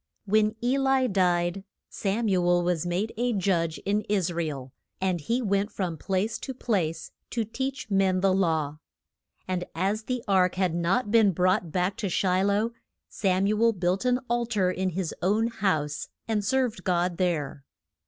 WHEN E li died, Sam u el was made a judge in Is ra el. And he went from place to place to teach men the law. And as the ark had not been brought back to Shi loh, Sam u el built an al tar in his own house and served God there.